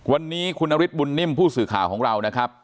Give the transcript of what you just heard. วันนี้คุณนฤทธบุญนิ่มผู้สื่อข่าวของเรานะครับ